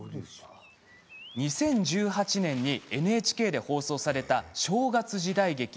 ２０１８年にＮＨＫで放送された正月時代劇